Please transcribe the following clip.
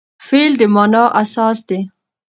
فعل د مانا اساس دئ.